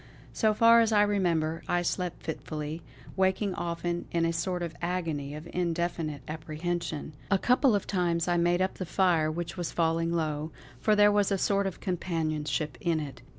So far as I remember, I slept fitfully; waking often in a sort of agony of indefinite apprehension. A couple of times I made up the fire which was falling low, for there was a sort of companionship in it.